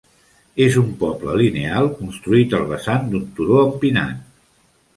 És un poble linear construït al vessant d'un turó empinat.